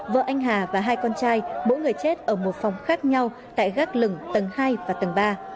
vợ anh hà và hai con trai mỗi người chết ở một phòng khác nhau tại gác lửng tầng hai và tầng ba